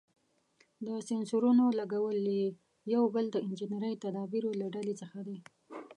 د سېنسرونو لګول یې یو بل د انجنیري تدابیرو له ډلې څخه دی.